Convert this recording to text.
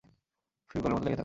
ফেভিকলের মতো লেগে থাকো।